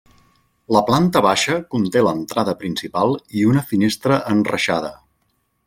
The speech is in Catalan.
La planta baixa conté l’entrada principal i una finestra enreixada.